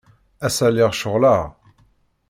Ass-a, lliɣ ceɣleɣ.